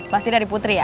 pasti dari putri ya